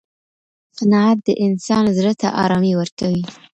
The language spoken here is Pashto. قناعت د انسان زړه ته ارامي ورکوي.